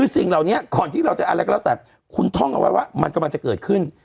สิ่งเหล่านี้ก่อนที่เราจะอะไรก็แล้วแต่คุณท่องเอาไว้ว่ามันกำลังจะเกิดขึ้น